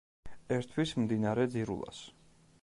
ერთვის მდინარე ძირულას.